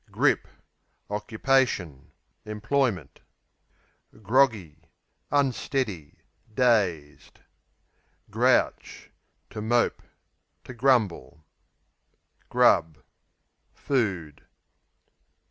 Grip Occupation; employment. Groggy Unsteady; dazed. Grouch To mope; to grumble. Grub Food.